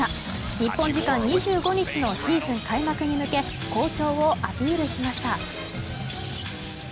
日本時間２５日のシーズン開幕に向け好調をアピールしました。